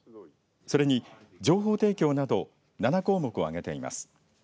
それに、情報提供など７項目を挙げています。